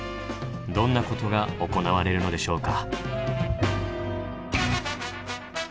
どんなことが行われるのでしょうか。